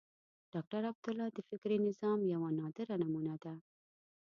ډاکټر عبدالله د فکري نظام یوه نادره نمونه ده.